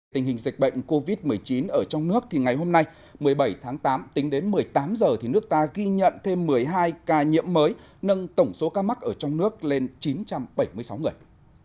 tình hình dịch bệnh covid một mươi chín ở trong nước thì ngày hôm nay một mươi bảy tháng tám tính đến một mươi tám giờ thì nước ta ghi nhận thêm một mươi hai ca nhiễm mới nâng tổng số ca mắc ở trong nước lên chín trăm bảy mươi sáu người